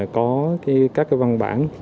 có các văn bản